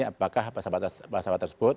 apakah pesawat tersebut